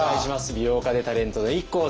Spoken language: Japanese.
美容家でタレントのＩＫＫＯさんです。